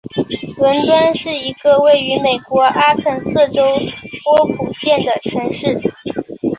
伦敦是一个位于美国阿肯色州波普县的城市。